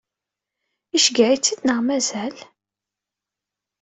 Iceggeɛ-itt-id neɣ mazal?